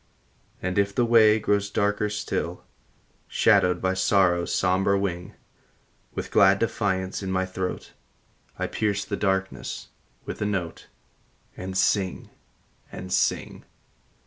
And if the way grows darker still, Shadowed by Sorrow s somber wing, With glad defiance in my throat, I pierce the darkness with a note, And sing, and sing.